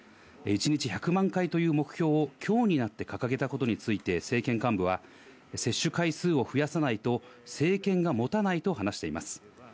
一日１００万回という目標を今日になって掲げたことについて政権幹部は、接種回数を増やさないと、政権がもたないと話しています。